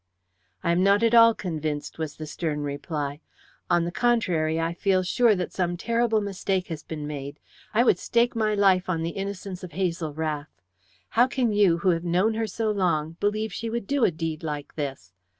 "I am not at all convinced," was the stern reply. "On the contrary, I feel sure that some terrible mistake has been made. I would stake my life on the innocence of Hazel Rath. How can you, who have known her so long, believe she would do a deed like this?